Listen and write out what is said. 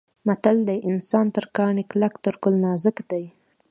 متل دی: انسان تر کاڼي کلک تر ګل نازک دی.